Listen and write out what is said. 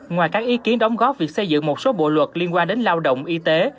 ngoài các ý kiến đóng góp việc xây dựng một số bộ luật liên quan đến lao động y tế